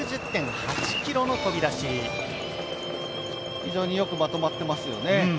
非常に良くまとまっていますよね。